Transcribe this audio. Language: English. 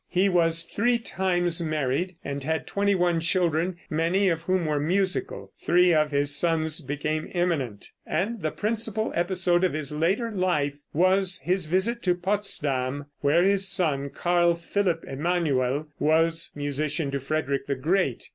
He was three times married, and had twenty one children, many of whom were musical. Three of his sons became eminent, and the principal episode of his later life was his visit to Potsdam, where his son, Carl Phillip Emanuel, was musician to Frederick the Great.